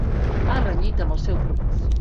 Ha renyit amb el seu promès.